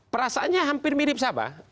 perasaannya hampir mirip sabah